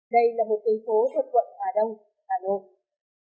đây là một thành phố thuộc quận hòa đông hà nội